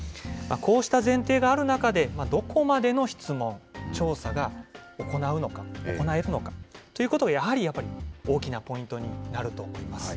こうした前提がある中で、どこまでの質問、調査が行うのか、行えるのかということが、やはり、大きなポイントになると思います。